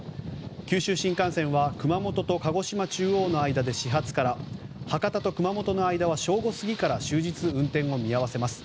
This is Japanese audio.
九州新幹線は熊本と鹿児島中央の間で始発から博多と熊本の間は正午過ぎから終日運転を見合わせます。